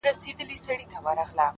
صادق چلند د درناوي سرچینه ګرځي!.